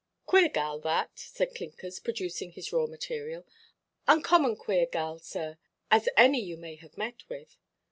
"Queer gal, that," said Clinkers, producing his raw material; "uncommon queer gal, sir, as any you may have met with."